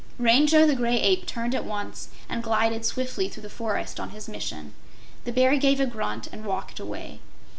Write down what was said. Rango the Gray Ape turned at once and glided swiftly through the forest on his mission. The Bear gave a grunt and walked away.